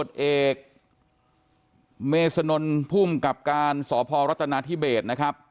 เจกเมษนลพุ่มกับการสพรัฐนาธิเบตนะครับ